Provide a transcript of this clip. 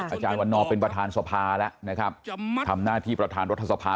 อาจารย์วันนอร์เป็นประธานสภาแล้วนะครับทำหน้าที่ประธานรัฐสภา